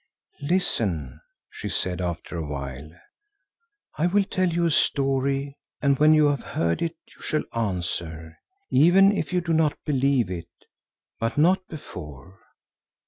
"Listen," she said after a while, "I will tell you a story and when you have heard it you shall answer, even if you do not believe it, but not before.